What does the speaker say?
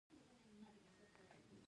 آیا د کښتیو جوړول په کاناډا کې مهم نه و؟